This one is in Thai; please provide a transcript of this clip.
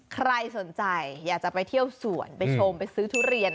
ใครสนใจอยากลงไปเที่ยวสวนทุเรียน